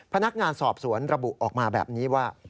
พนักงานสอบสวนระบุออกมาแบบนี้ว่า